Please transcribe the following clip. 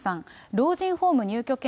老人ホーム入居権